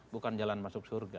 bukan jalan masuk surga